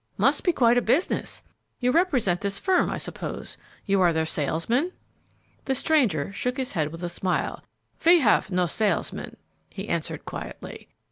"Must be quite a business. You represent this firm, I suppose; you are their salesman?" The stranger shook his head with a smile. "We have no salesmen," he answered, quietly.